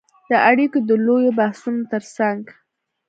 د اړیکو د لویو بحثونو ترڅنګ